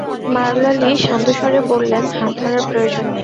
মারলা Lee শান্ত স্বরে বললেন, হাত ধরার প্রয়োজন নেই।